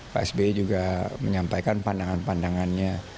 pak sby juga menyampaikan pandangan pandangannya